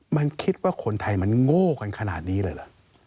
มันคิดว่าคนไทยมันโง่กันขนาดนี้เลยเหรอ